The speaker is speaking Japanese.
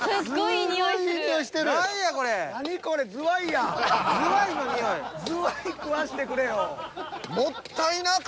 すごいな。